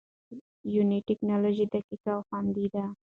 یوني ټېکنالوژي دقیق او خوندي ده.